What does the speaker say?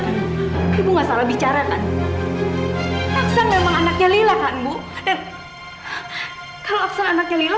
ibu nggak salah bicara kan aksa memang anaknya lila kan bu kalau aksa anaknya lila